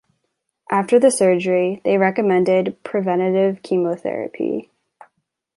After the surgery, they recommended preventive chemotherapy.